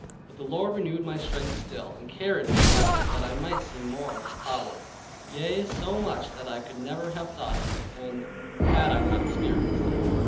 But the Lord renewed my strength still, and carried me along, that I might see more of His power; yea, so much that I could never have thought of, had I not experienced it.